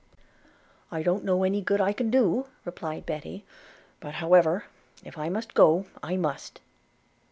'I don't know any good I can do,' replied Betty; 'but however, if I must go, I must.'